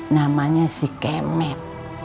namanya si kemet